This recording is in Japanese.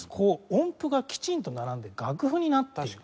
音符がきちんと並んで楽譜になった。